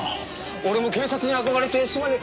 俺も警察に憧れて島根。